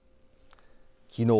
きのう